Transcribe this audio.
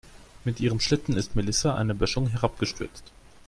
Mit ihrem Schlitten ist Melissa eine Böschung herabgestürzt.